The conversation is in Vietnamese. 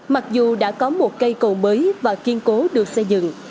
mặc dù đã có một cây cầu mới và kiên cố được xây dựng